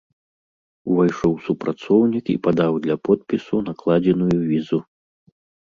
Увайшоў супрацоўнік і падаў для подпісу накладзеную візу.